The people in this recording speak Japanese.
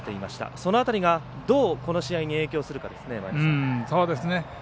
その辺りが、どうこの試合に影響するかですね。